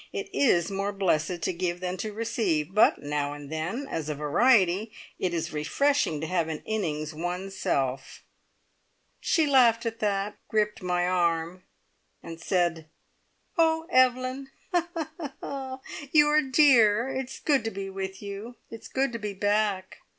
It is more blessed to give than to receive, but now and then, as a variety, it is refreshing to have an innings one's self!" She laughed at that, gripped my arm, and said: "Oh, Evelyn, you are a dear! It's good to be with you. It's good to be back."